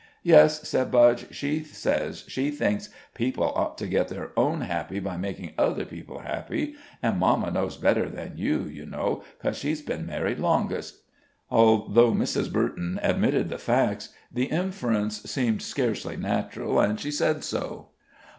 "Yes," said Budge, "she says she thinks people ought to get their own happy by makin' other people happy. An' mamma knows better than you, you know, 'cause she's been married longest." Although Mrs. Burton admitted the facts, the inference seemed scarcely natural, and she said so.